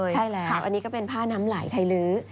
ใช่แล้วค่ะอันนี้ก็เป็นผ้าน้ำไหลไทยลื้อ